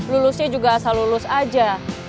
lulusnya juga asal lulus aja